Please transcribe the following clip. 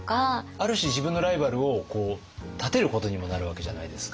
ある種自分のライバルを立てることにもなるわけじゃないですか。